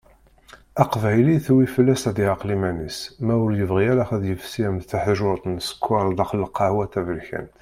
Aqbayli, tuwi-d fell-as ad yeɛqel iman-is ma ur yebɣi ara ad yefsi am teḥjurt n ssekker daxel lqahwa taberkant.